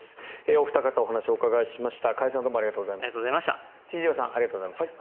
お二方、お話をお伺いしました。